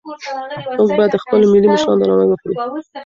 موږ باید د خپلو ملي مشرانو درناوی وکړو.